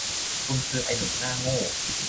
คุณคือไอ้หนุ่มหน้าโง่